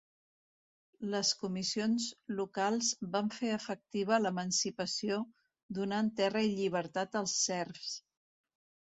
Les comissions locals van fer efectiva l'emancipació donant terra i llibertat als serfs.